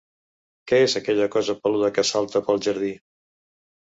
Què és aquella cosa peluda que salta pel jardí?